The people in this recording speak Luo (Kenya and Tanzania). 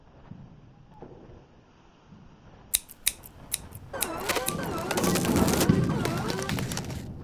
Ng'ato ka ng'ato kuomwa onego oluw adimba kaka ichike mondo orit alworawa.